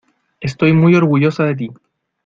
estoy muy orgullosa de ti.